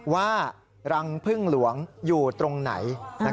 ว่ารังพึ่งหลวงอยู่ตรงไหน